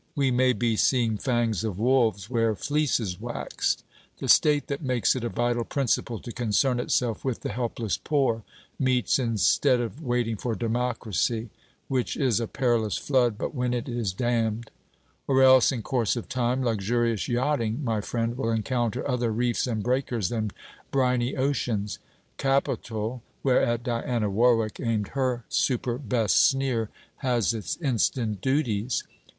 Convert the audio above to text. We may be seeing fangs of wolves where fleeces waxed. The State that makes it a vital principle to concern itself with the helpless poor, meets instead of waiting for Democracy; which is a perilous flood but when it is dammed. Or else, in course of time, luxurious yachting, my friend, will encounter other reefs and breakers than briny ocean's! Capital, whereat Diana Warwick aimed her superbest sneer, has its instant duties.